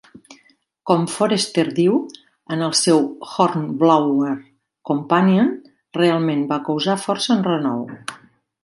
Com Forester diu en el seu "Hornblower Companion", "... realment va causar força enrenou".